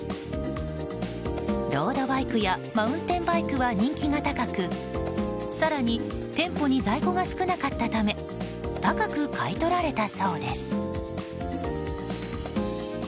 ロードバイクやマウンテンバイクは人気が高く更に店舗に在庫が少なかったため高く買い取られたそうです。